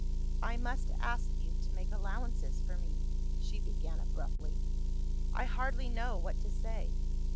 "I must ask you to make allowances for me," she began, abruptly; "I hardly know what to say.